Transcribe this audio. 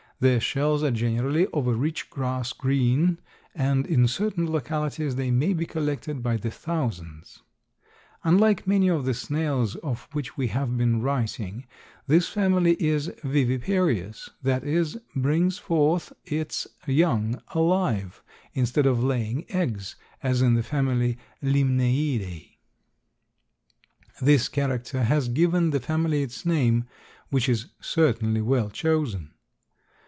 Their shells are generally of a rich grass green and in certain localities they may be collected by the thousands. Unlike many of the snails of which we have been writing, this family is viviparous, that is, brings forth its young alive, instead of laying eggs, as in the family Limnaeidae. This character has given the family its name, which is certainly well chosen.